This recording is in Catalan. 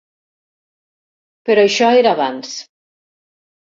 Però això era abans.